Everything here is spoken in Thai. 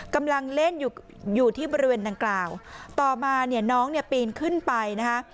กำลังเล่นอยู่อยู่ที่บริเวณดังกล่าวต่อมาเนี่ยน้องเนี่ยปีนขึ้นไปนะคะ